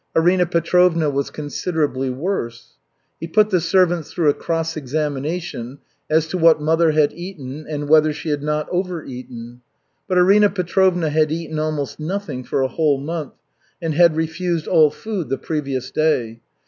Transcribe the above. Arina Petrovna was considerably worse. He put the servants through a cross examination as to what mother had eaten and whether she had not overeaten. But Arina Petrovna had eaten almost nothing for a whole month, and had refused all food the previous day.